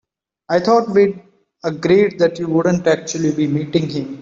I thought we'd agreed that you wouldn't actually be meeting him?